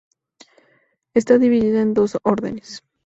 Está dividida en dos órdenes.